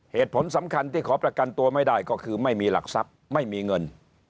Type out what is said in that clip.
เหตุผลสำคัญที่ขอประกันตัวไม่ได้ก็คือไม่มีหลักทรัพย์ไม่มีเงิน